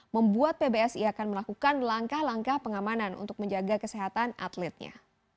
membuat pbsi akan melakukan langkah langkah pengamanan untuk menjaga kesehatan atletnya